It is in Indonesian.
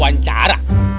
wawancara apaan pak ji